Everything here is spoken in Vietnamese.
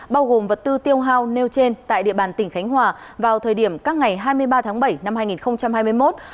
bao gồm vật tư tiêu hao nêu trên tại địa bàn tỉnh khánh hòa vào thời điểm các ngày hai mươi ba tháng bảy năm hai nghìn hai mươi một